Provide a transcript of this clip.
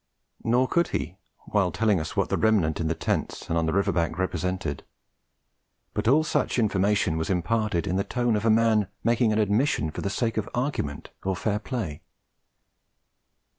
Nor could he, while telling us what the remnant in the tents and on the river bank represented; but all such information was imparted in the tone of a man making an admission for the sake of argument or fair play.